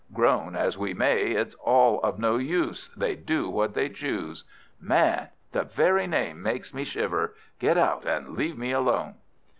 Groan as we may, it's all of no use, they do what they choose. Man! the very name makes me shiver. Get out, and leave me alone!"